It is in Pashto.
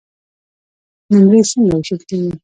نمرې څنګه وېشل کیږي؟